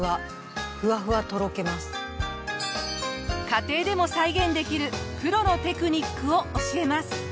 家庭でも再現できるプロのテクニックを教えます。